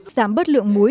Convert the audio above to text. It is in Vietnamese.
giảm bớt lượng muối